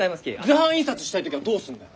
図版印刷したい時はどうすんだよ？